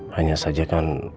hanya saja kan mobil yang berhenti